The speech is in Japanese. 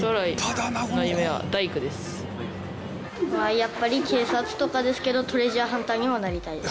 やっぱり警察とかですけどトレジャーハンターにもなりたいです。